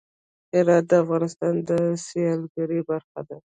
هرات د افغانستان د سیلګرۍ برخه ده.